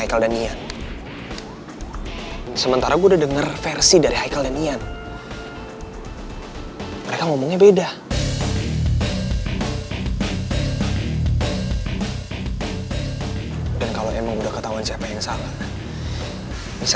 kan aku ditemani meli